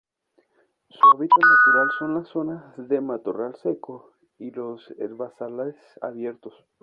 Su hábitat natural son las zonas de matorral seco y los herbazales abiertos.